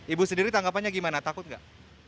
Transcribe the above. ibu sendiri tanggapannya gimana takut nggak